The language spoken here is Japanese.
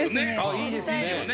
いいですね。